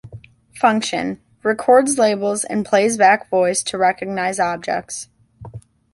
Function: Records labels and plays back voice to recognize objects.